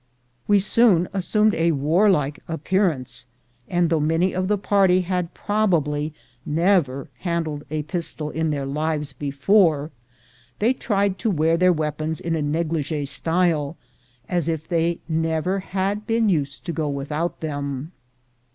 We soon assumed a warlike appearance, and though many of the party had probably never handled a pistol in their lives before, they tried to wear their weapons in a neglige style, as if they never had been used to go without them.